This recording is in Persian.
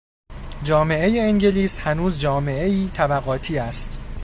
جامعهی انگلیس هنوز جامعهای طبقاتی است.